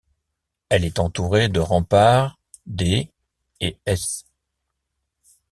Elle est entourée de remparts des et s.